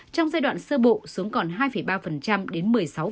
trong giai đoạn sơ bộ xuống còn hai ba đến một mươi sáu